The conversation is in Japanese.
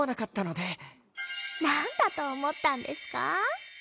なんだと思ったんですかあ？